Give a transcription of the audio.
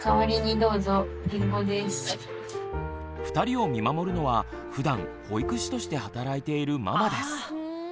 ２人を見守るのはふだん保育士として働いているママです。